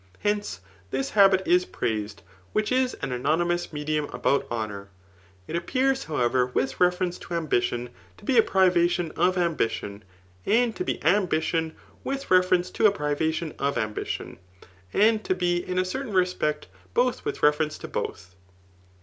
Hence, this habit is praised, which is an anonymous me dium about honour. It appears, however, with reference 10 ambition, to be a privadon of ambitbn, and to be am* bidon with reference to a privadon of ambition j and to be m a ceitain respect both wiib reference to botb.